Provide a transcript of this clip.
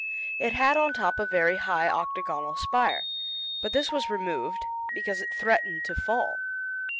It had on top a very high octagonal spire, but this was removed because it threatened to fall.